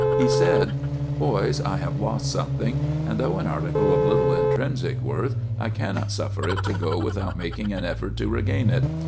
He said— "Boys, I have lost something, and though an article of little intrinsic worth, I cannot suffer it to go without making an effort to regain it.